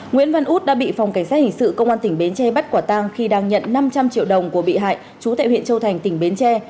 nguyễn văn út đã bị phòng cảnh sát hình sự công an tỉnh bến tre bắt quả tang khi đang nhận năm trăm linh triệu đồng của bị hại chú tại huyện châu thành tỉnh bến tre